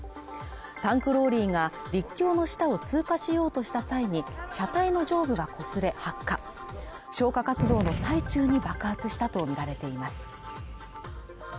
タンクローリーが陸橋の下を通過しようとした際に車体の上部がこすれ発火消火活動の最中に爆発したと見られています